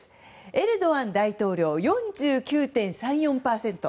エルドアン大統領４９．３４％。